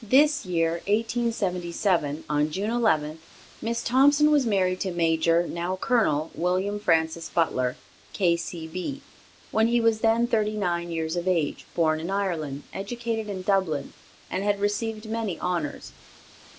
This year, 1877, on June 11, Miss Thompson was married to Major, now Colonel, William Francis Butler, K.C.B. He was then thirty nine years of age, born in Ireland, educated in Dublin, and had received many honors.